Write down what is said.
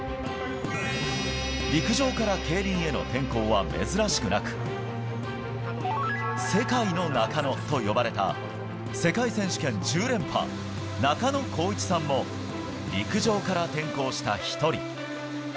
陸上から競輪への転向は珍しくなく、世界の中野と呼ばれた、世界選手権１０連覇、中野浩一さんも、陸上から転向した１人。